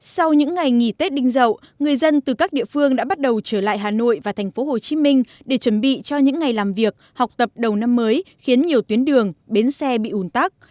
sau những ngày nghỉ tết đinh dậu người dân từ các địa phương đã bắt đầu trở lại hà nội và tp hcm để chuẩn bị cho những ngày làm việc học tập đầu năm mới khiến nhiều tuyến đường bến xe bị ủn tắc